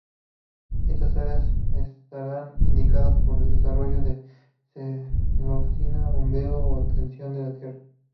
Estas áreas estarán indicadas por el desarrollo de celosía, bombeo o tendido de tierra.